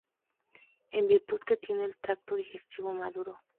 En virtud que tiene el tracto digestivo maduro.